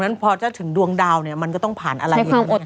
ถ้าถึงดวงดาวนะก็ต้องผ่านอะไร